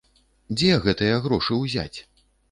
Дзе гэтыя грошы ўзяць?